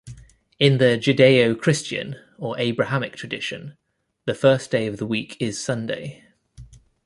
In the Judeo-Christian or Abrahamic tradition, the first day of the week is Sunday.